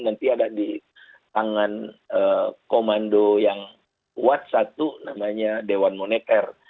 nanti ada di tangan komando yang kuat satu namanya dewan moneker